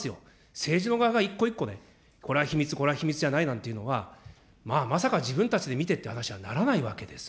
政治の側が一個一個ね、これは秘密、これは秘密じゃないなんていうのは、まあまさか自分たちで見ていた話にはならないわけです。